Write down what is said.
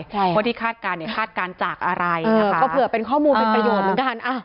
เพราะว่าที่คาดการณ์เนี่ยคาดการณ์จากอะไรนะคะก็เผื่อเป็นข้อมูลเป็นประโยชน์เหมือนกัน